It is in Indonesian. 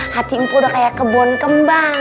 hati mpo udah kayak kebon kembang